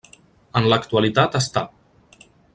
En l'actualitat està.